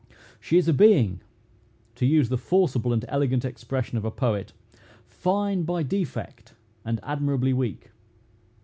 She is a being, to use the forcible and elegant expression of a poet, "Fine by defect, and admirably weak."